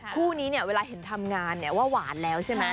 คู่นี้เนี่ยเวลาเห็นทำงานเนี่ยว่าหวานแล้วใช่ไหม